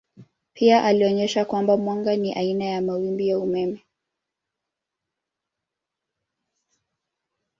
Pia alionyesha kwamba mwanga ni aina ya mawimbi ya umeme.